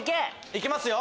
いけますよ！